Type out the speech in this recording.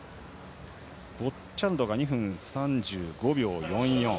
ボッチャルドが２分３５秒４４。